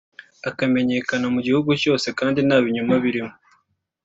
akamenyekana mu gihugu cyose kandi nta binyoma birimo